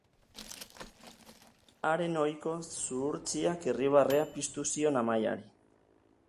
Haren ohiko zuhurtziak irribarrea piztu zion Amaiari.